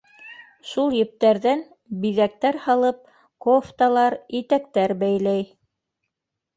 Шул ептәрҙән биҙәктәр һалып кофталар, итәктәр бәйләй.